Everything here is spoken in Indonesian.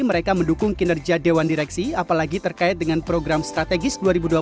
mereka mendukung kinerja dewan direksi apalagi terkait dengan program strategis dua ribu dua puluh